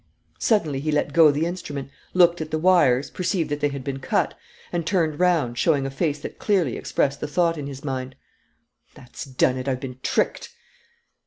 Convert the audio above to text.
Suddenly he let go the instrument, looked at the wires, perceived that they had been cut, and turned round, showing a face that clearly expressed the thought in his mind. "That's done it. I've been tricked!"